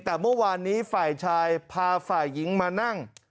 แต่เมื่อวานนี้ฝ่ายชายพาฝ่ายหญิงมานั่ง